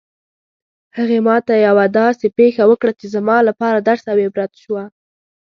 هغې ما ته یوه داسې پېښه وکړه چې زما لپاره درس او عبرت شوه